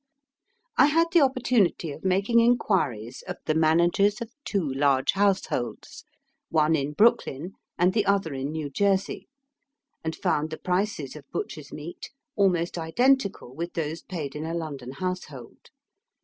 I had the opportunity of making inquiries of the managers of two large households, one in Brooklyn and the other in New Jersey, and found the prices of butcher's meat almost identical with those paid in a London house hold.